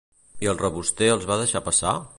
I el reboster els va deixar passar?